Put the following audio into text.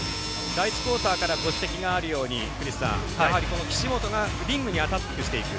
第１クオーターからご指摘があるようにやはり岸本がリングにアタックしていく。